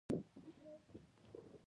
آمو سیند د افغانستان د سیلګرۍ یوه برخه ده.